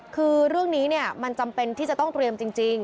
คือเรื่องนี้มันจำเป็นที่จะต้องเตรียมจริง